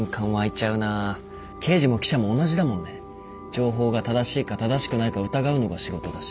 情報が正しいか正しくないか疑うのが仕事だし。